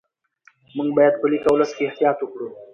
موږ باید په لیک او لوست کې احتیاط وکړو